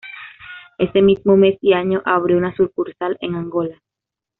Ese mismo mes y año abrió una sucursal en Angola.